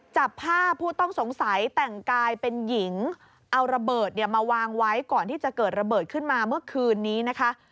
จับภาพผู้ต้องสงสัยแต่งกายเป็นหญิงเอาระเบิดเนี่ยมาวางไว้ก่อนที่จะเกิดระเบิดขึ้นมาเมื่อคืนนี้นะคะ